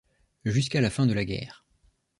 Jusqu'à la fin de la guerre.